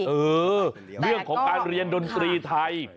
เออเรื่องของการเรียนดนตรีไทย